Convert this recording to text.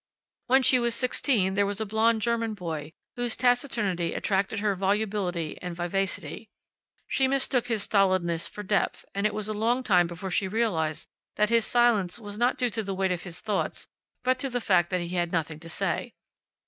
When she was sixteen there was a blond German boy whose taciturnity attracted her volubility and vivacity. She mistook his stolidness for depth, and it was a long time before she realized that his silence was not due to the weight of his thoughts but to the fact that he had nothing to say.